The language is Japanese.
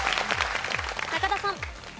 中田さん。